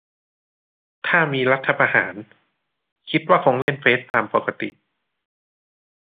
ถ้ามี รัฐประหาร คิดว่าคงเล่นเฟซตามปกติ